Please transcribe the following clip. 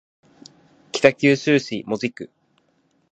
北九州市門司区